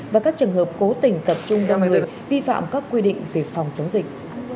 và các trường hợp cố tình tập trung đông người vi phạm các quy định về phòng chống dịch